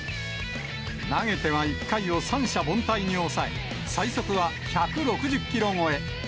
投げては、１回を三者凡退に抑え、最速は１６０キロ超え。